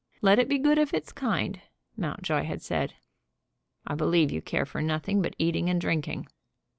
"Let it be good of its kind," Mountjoy had said. "I believe you care for nothing but eating and drinking."